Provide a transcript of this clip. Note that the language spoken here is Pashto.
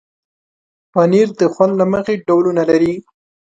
پنېر د خوند له مخې ډولونه لري.